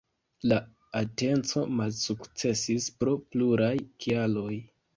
La atenco malsukcesis pro pluraj kialoj.